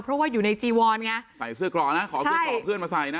เพราะว่าอยู่ในจีวอนไงใส่เสื้อกรอนะขอเสื้อกรอกเพื่อนมาใส่นะ